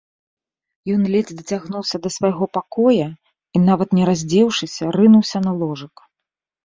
Ён ледзь дацягнуўся да свайго пакоя і, нават не раздзеўшыся, рынуўся на ложак.